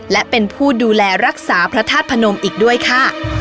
และเป็นผู้ดูแลรักษาพระธาตุพนมอีกด้วยค่ะ